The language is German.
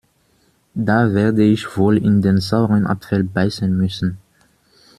Da werde ich wohl in den sauren Apfel beißen müssen.